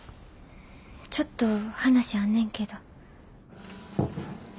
ちょっと話あんねんけど。